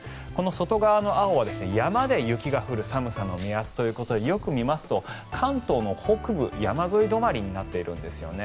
この外側の青は、山で雪が降る寒さの目安ということでよく見ますと関東の北部山沿い止まりになっているんです。